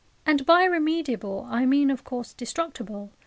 And by remediable I mean, of course, destructible.